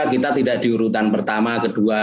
kita tidak diurutan pertama kedua